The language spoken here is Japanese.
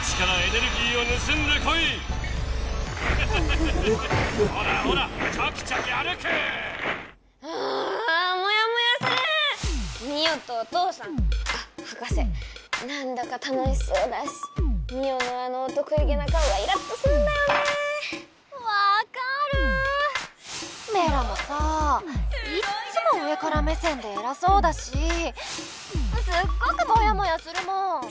メラもさいっつも上から目線でえらそうだしすっごくもやもやするもん！